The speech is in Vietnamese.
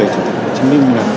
chủ tịch hồ chí minh